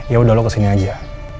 yaudah lo kesini aja